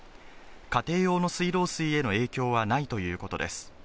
家庭用の水道水への影響はないということです。